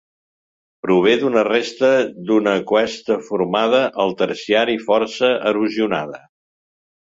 Prové d'una resta d'una cuesta formada al terciari força erosionada.